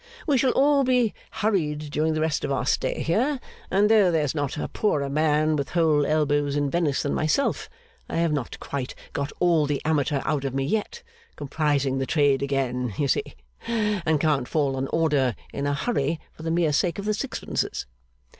We shall all be hurried during the rest of our stay here; and though there's not a poorer man with whole elbows in Venice, than myself, I have not quite got all the Amateur out of me yet comprising the trade again, you see! and can't fall on to order, in a hurry, for the mere sake of the sixpences.